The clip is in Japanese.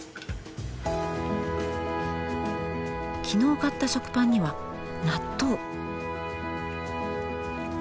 昨日買った食パンには納豆！